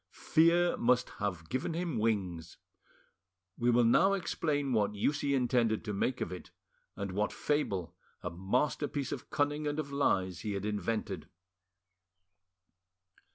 Fear must have given him wings. We will now explain what use he intended to make of it, and what fable, a masterpiece of cunning and of lies, he had invented.